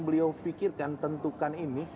beliau fikirkan tentukan ini